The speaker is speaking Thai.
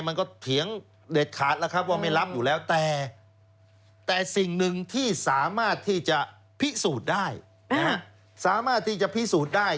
มันเตี๋ยงเดชขาดว่าไม่รับอยู่แล้วแต่สิ่งหนึ่งที่สามารถที่จะพิสูจน์ได้